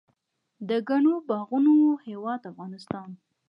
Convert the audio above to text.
د ګڼو باغونو هیواد افغانستان.